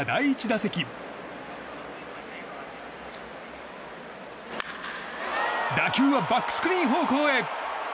打球はバックスクリーン方向へ。